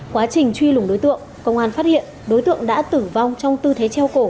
quá trình truy lùng đối tượng công an phát hiện đối tượng đã tử vong trong tư thế treo cổ